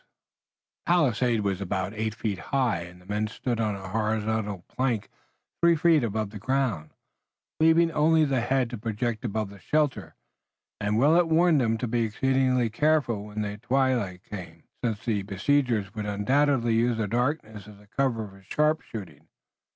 The palisade was about eight feet high, and the men stood on a horizontal plank three feet from the ground, leaving only the head to project above the shelter, and Willet warned them to be exceedingly careful when the twilight came, since the besiegers would undoubtedly use the darkness as a cover for sharp shooting.